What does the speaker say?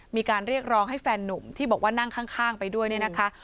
มีการเรียกร้องให้แฟนนุ่มที่บอกว่านั่งข้างไปด้วยเนี่ยนะคะ